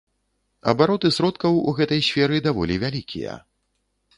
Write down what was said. Абароты сродкаў у гэтай сферы даволі вялікія.